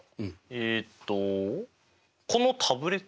えっとこのタブレット？